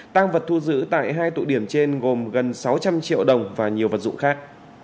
tăng vật thu giữ tại hai tụ điểm trên gồm gần sáu trăm linh triệu đồng và nhiều vật dụng khác